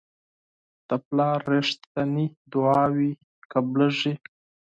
د پلار رښتیني دعاوې قبلیږي.